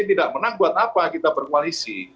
tidak menang buat apa kita berkoalisi